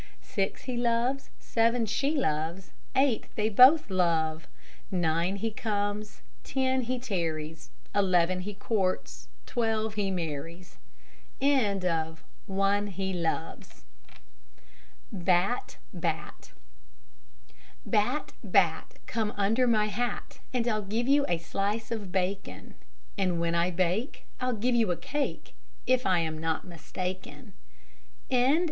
Six, he loves; seven, she loves; Eight, they both love. Nine, he comes; ten, he tarries; Eleven, he courts; twelve, he marries. BAT, BAT Bat, bat, Come under my hat, And I'll give you a slice of bacon; And when I bake I'll give you a cake If I am not mistaken. HARK!